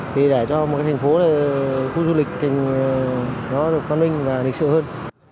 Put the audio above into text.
thì để cho một cái thành phố khu du lịch nó được văn minh và lịch sự hơn